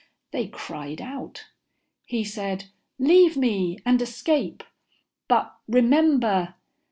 They cried out. He said, "Leave me and escape. But remember...."